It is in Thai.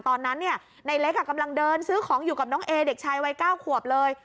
ตอนนั้นในเล็กกำลังเดินซื้อของอยู่กับน้องเอเด็กชายวัย๙ขวบเลย